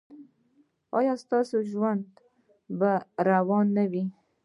ایا ستاسو ژوند به روان نه وي؟